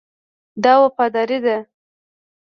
دا وفاداري ده.